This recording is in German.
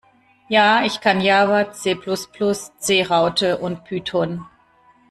Ja, ich kann Java, C Plus Plus, C Raute und Python.